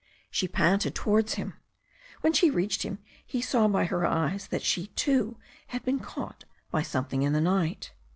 She panted towards him. When she reached him he saw by her eyes that she, too, had been caught by something in the night.